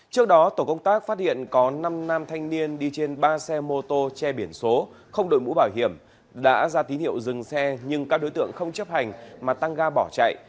trước đó tổ công tác phát hiện có năm nam thanh niên đi trên ba xe mô tô che biển số không đội mũ bảo hiểm đã ra tín hiệu dừng xe nhưng các đối tượng không chấp hành mà tăng ga bỏ chạy